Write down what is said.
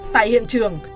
tại hiện trường